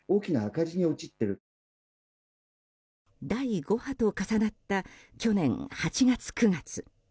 第５波と重なった去年８月、９月。